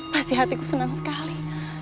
pasti hatiku senang sekali